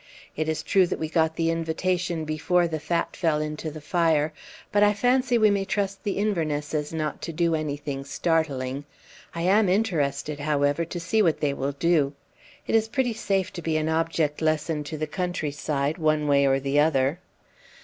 It is true that we got the invitation before the fat fell into the fire, but I fancy we may trust the Invernesses not to do anything startling. I am interested, however, to see what they will do. It is pretty safe to be an object lesson to the countryside, one way or the other."